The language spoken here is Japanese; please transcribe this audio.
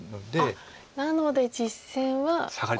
あっなので実戦は。